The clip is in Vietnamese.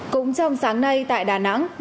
cũng trong sáng nay tại đà nẵng